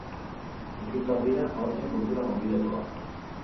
Ijitoak dira aurten kultura gonbidatua.